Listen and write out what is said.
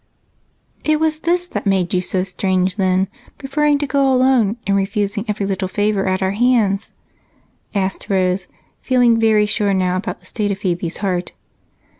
"It was this that made you so strange, then, preferring to go alone and refusing every little favor at our hands?" asked Rose, feeling very sure now about the state of Phebe's heart.